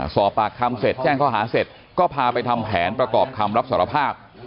สอบปากคำเสร็จแจ้งข้อหาเสร็จก็พาไปทำแผนประกอบคำรับสารภาพ